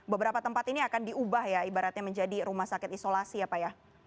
beberapa tempat ini akan diubah ya ibaratnya menjadi rumah sakit isolasi ya pak ya